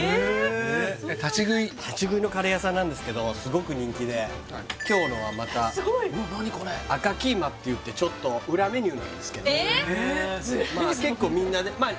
立ち食いのカレー屋さんなんですけどすごく人気で今日のはまたすごい赤キーマっていってちょっと裏メニューなんですけどえっ